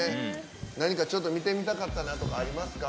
何か見てみたかったなとかありますか？